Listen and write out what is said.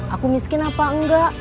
aku miskin apa enggak